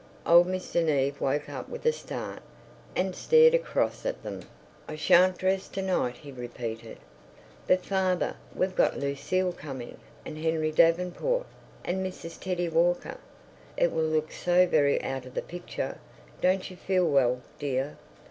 Old Mr. Neave woke with a start and stared across at them. "I shan't dress to night," he repeated. "But, father, we've got Lucile coming, and Henry Davenport, and Mrs. Teddie Walker." "It will look so very out of the picture." "Don't you feel well, dear?"